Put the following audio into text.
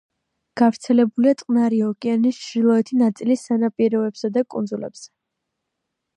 გავრცელებულია წყნარი ოკეანის ჩრდილოეთი ნაწილის სანაპიროებსა და კუნძულებზე.